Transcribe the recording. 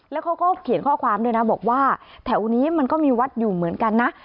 แล้วเขาก็เขียนข้อความด้วยนะบอกว่าแถวนี้มันก็มีวัดอยู่เหมือนกันนะ